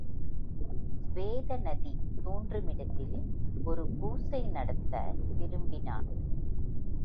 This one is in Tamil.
சுவேத நதி தோன்றுமிடத்தில் ஒரு பூசை நடத்த விரும்பினான்.